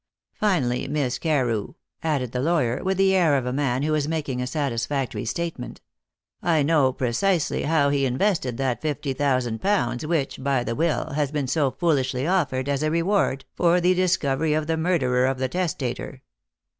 Finally, Miss Carew," added the lawyer, with the air of a man who is making a satisfactory statement, "I know precisely how he invested that fifty thousand pounds which, by the will, has been so foolishly offered as a reward for the discovery of the murderer of the testator.